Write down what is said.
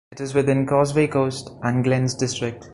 It is within Causeway Coast and Glens district.